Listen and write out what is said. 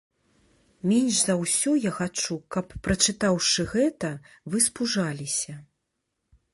Менш за ўсё я хачу, каб прачытаўшы гэта, вы спужаліся.